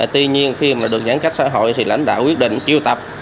tuy nhiên khi mà được giãn cách xã hội thì lãnh đạo quyết định triệu tập